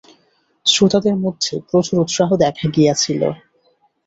শ্রোতাদের মধ্যে প্রচুর উৎসাহ দেখা গিয়াছিল।